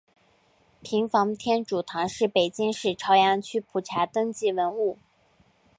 平房天主堂是北京市朝阳区普查登记文物。